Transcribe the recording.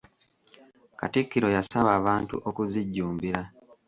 Katikkiro yasaba abantu okuzijjumbira.